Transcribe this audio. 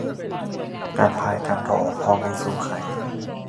การพายการถ่อ พ่อไม่สู้ใคร